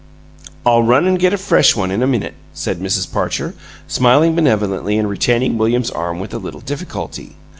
"I'll run and get a fresh one in a minute," said Mrs. Parcher, smiling benevolently and retaining William's arm with a little difficulty.